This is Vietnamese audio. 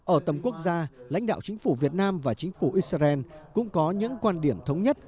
ở tầm quốc gia lãnh đạo chính phủ việt nam và chính phủ israel cũng có những quan điểm thống nhất